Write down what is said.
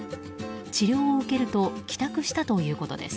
治療を受けると帰宅したということです。